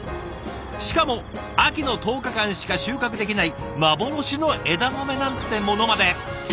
しかも秋の１０日間しか収穫できない幻の枝豆なんてものまで。